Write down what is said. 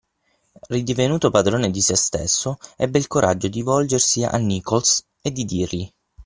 Ridivenuto padrone di se stesso, ebbe il coraggio di volgersi a Nichols e di dirgli.